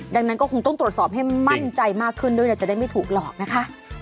ดังนั้นก็คงต้องตรวจสอบให้มั่นใจมากขึ้นด้วยนะจะได้ไม่ถูกหลอกนะคะ